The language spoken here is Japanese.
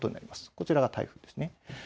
こちらが台風です。